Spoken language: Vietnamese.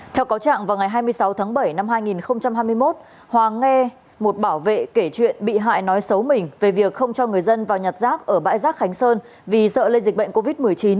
theo cáo trạng vào ngày hai mươi sáu tháng bảy năm hai nghìn hai mươi một hòa nghe một bảo vệ kể chuyện bị hại nói xấu mình về việc không cho người dân vào nhặt rác ở bãi giác khánh sơn vì sợ lây dịch bệnh covid một mươi chín